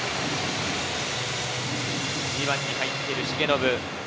２番に入っている重信。